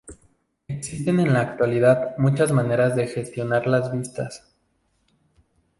Existen en la actualidad muchas maneras de gestionar las vistas.